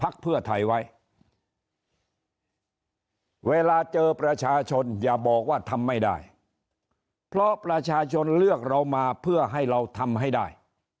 ไว้เวลาเจอประชาชนอย่าบอกว่าทำไม่ได้เพราะประชาชนเลือกเรามาเพื่อให้เราทำให้ได้